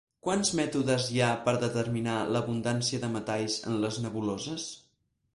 Quants mètodes hi ha per determinar l'abundància de metalls en les nebuloses?